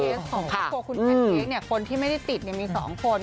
เพราะว่าในเคสของพวกคุณแพนเค้กเนี่ยคนที่ไม่ได้ติดเนี่ยมี๒คน